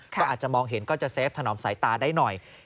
ก็อาจจะมองเห็นก็จะเฟฟถนอมสายตาได้หน่อย